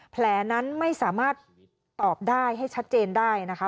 แผลนั้นไม่สามารถตอบได้ให้ชัดเจนได้นะคะ